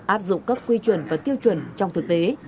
áp dụng các quy chuẩn và tiêu chuẩn trong thực tế